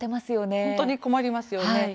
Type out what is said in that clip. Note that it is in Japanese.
本当に困りますよね。